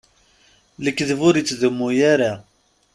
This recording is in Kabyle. Lekdeb ur ittdummu ara.